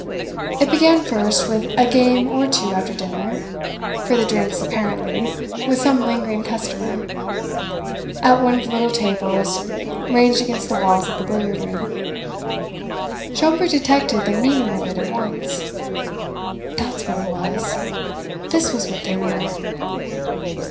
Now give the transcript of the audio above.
It began first with a game or two after dinner for the drinks, apparently with some lingering customer, at one of the little tables ranged against the walls of the billiard room. Schomberg detected the meaning of it at once. "That's what it was! This was what they were!"